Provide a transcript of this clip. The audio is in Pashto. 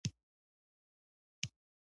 چارمغز د سر درد کموي.